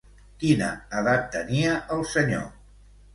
Quina edat tenia el senyor?